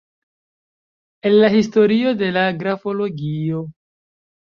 El la historio de la grafologio.